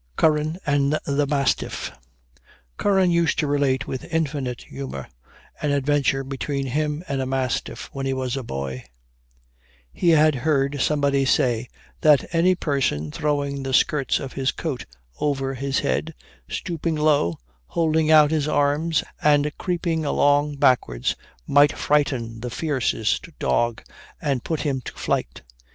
CURRAN AND THE MASTIFF. Curran used to relate with infinite humor an adventure between him and a mastiff, when he was a boy. He had heard somebody say that any person throwing the skirts of his coat over his head, stooping low, holding out his arms, and creeping along backwards, might frighten the fiercest dog, and put him to flight.